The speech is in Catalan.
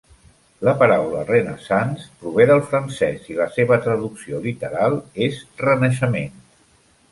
La paraula "Renaissance" prové del francès i la seva traducció literal és "Renaixement".